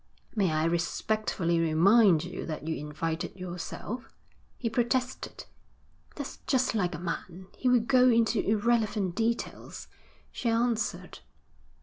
'May I respectfully remind you that you invited yourself?' he protested. 'That's just like a man. He will go into irrelevant details,' she answered.